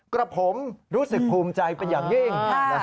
กระผมรู้สึกภูมิใจเป็นอย่างยิ่ง